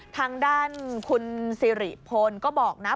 ทางด้านคุณสิริพลก็บอกนะ